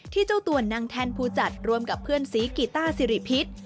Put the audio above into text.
เจ้าตัวนางแทนผู้จัดรวมกับเพื่อนสีกีต้าสิริพิษ